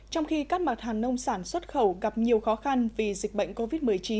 trong khi các mặt hàng nông sản xuất khẩu gặp nhiều khó khăn vì dịch bệnh covid một mươi chín